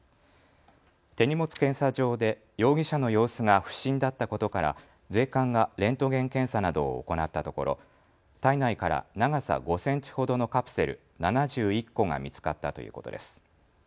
手荷物検査場で容疑者の様子が不審だったことから税関がレントゲン検査などを行ったところ体内から長さ５センチほどのカプセル７１個が見つかったということです。